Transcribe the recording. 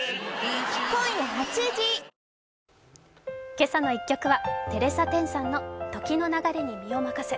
「けさの１曲」はテレサ・テンさんの「時の流れに身をまかせ」